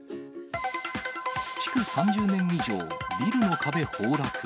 築３０年以上、ビルの壁崩落。